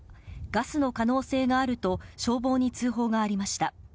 ガスの可能性があると消防に通報がありました。